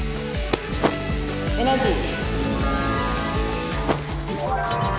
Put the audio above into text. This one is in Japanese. エナジー！